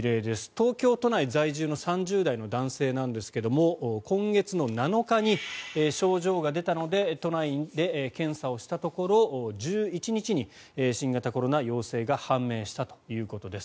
東京都内在住の３０代の男性ですが今月の７日に症状が出たので都内で検査をしたところ１１日に新型コロナ陽性が判明したということです。